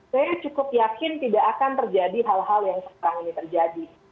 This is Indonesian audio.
saya cukup yakin tidak akan terjadi hal hal yang sekarang ini terjadi